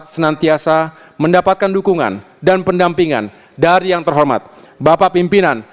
senantiasa mendapatkan dukungan dan pendampingan dari yang terhormat bapak pimpinan